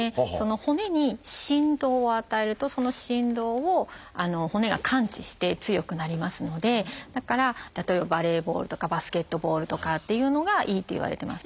骨に振動を与えるとその振動を骨が感知して強くなりますのでだから例えばバレーボールとかバスケットボールとかっていうのがいいっていわれてます。